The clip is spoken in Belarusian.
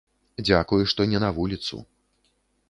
Дзякуй, што не на вуліцу.